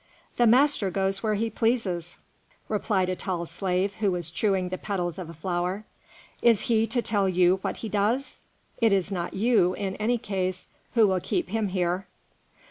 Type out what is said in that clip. "The master goes where he pleases," replied a tall slave, who was chewing the petals of a flower. "Is he to tell you what he does? It is not you, in any case, who will keep him here."